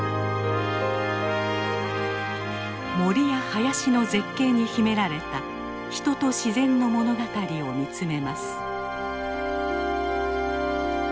森や林の絶景に秘められた人と自然の物語を見つめます。